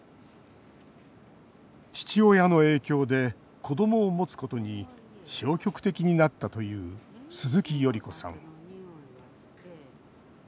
父親の影響で子どもを持つことに消極的になったという鈴木頼子さん。